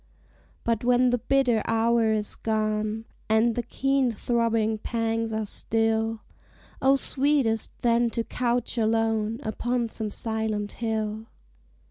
But when the bitter hour is gone, And the keen throbbing pangs are still, Oh sweetest then to couch alone Upon some silent hill!